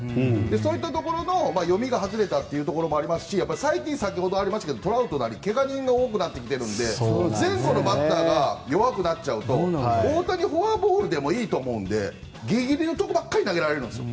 そういったところの読みが外れたというところもありますし最近、先ほどありましたがトラウトなり怪我人が多くなってきているので前後のバッターが弱くなっちゃうと大谷、フォアボールでもいいと思うのでギリギリのところばっかり投げられるんですよ。